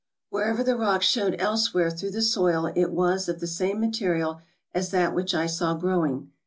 Wherever the rock showed elsewhere through the soil it was of the same material as that which I saw growing.